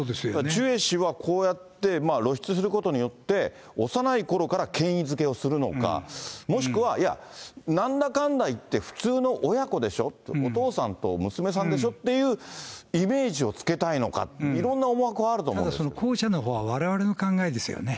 ジュエ氏は、こうやって露出することによって、幼いころから権威づけをするのか、もしくは、いや、なんだかんだ言って普通の親子でしょ、お父さんと娘さんでしょっていうイメージをつけたいのか、ただその後者のほうは、われわれの考えですよね。